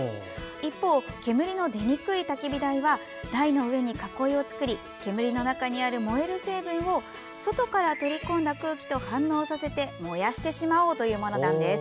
一方、煙の出にくいたき火台は台の上に囲いを作り煙の中にある燃える成分を外から取り込んだ空気と反応させて燃やしてしまおうというものです。